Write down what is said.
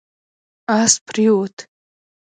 اس پرېووت